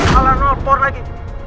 salah nolpor lagi